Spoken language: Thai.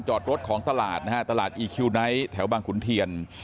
จอดรถของตลาดนะฮะตลาดอีคิวไนท์แถวบางขุนเทียน